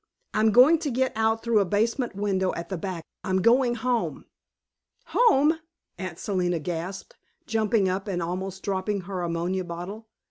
"I'm going to get out through a basement window at the back. I'm going home." "Home!" Aunt Selina gasped, jumping up and almost dropping her ammonia bottle.